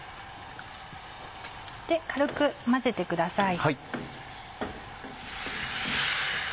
軽く混ぜてください。